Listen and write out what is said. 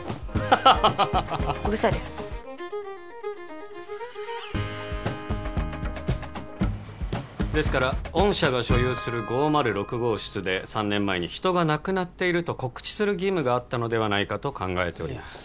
ハハハハうるさいですですから御社が所有する５０６号室で３年前に人が亡くなっていると告知する義務があったのではないかと考えております